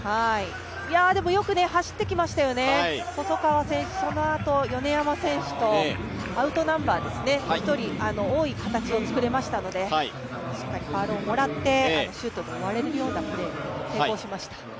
でもよく走ってきましたよね、細川選手、そのあと米山選手とアウトナンバーですね、１人多い形を作れましたので、しっかりファウルをもらってシュートで終われるようなプレーに成功しました。